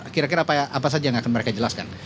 kira kira apa saja yang akan mereka jelaskan